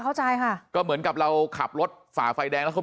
เข้าใจค่ะก็เหมือนกับเราขับรถฝ่าไฟแดงแล้วเขา